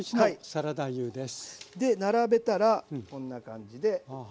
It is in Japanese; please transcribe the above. で並べたらこんな感じで。